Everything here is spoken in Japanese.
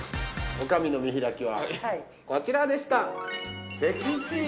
女将の見開きはこちらでした。